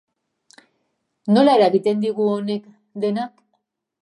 Nola eragiten digu honek denak?